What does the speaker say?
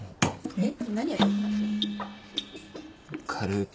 えっ？